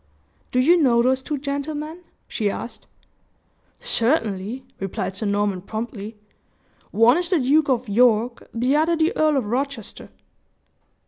"Do you know those two gentlemen?" she asked. "Certainly," replied Sir Norman, promptly; "one is the Duke of York, the other the Earl of Rochester."